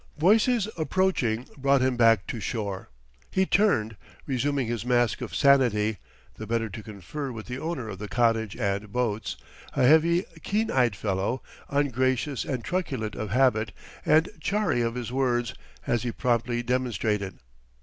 Voices approaching brought him back to shore. He turned, resuming his mask of sanity, the better to confer with the owner of the cottage and boats a heavy, keen eyed fellow, ungracious and truculent of habit, and chary of his words; as he promptly demonstrated.